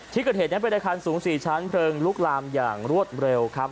ที่เกิดเหตุนั้นเป็นอาคารสูง๔ชั้นเพลิงลุกลามอย่างรวดเร็วครับ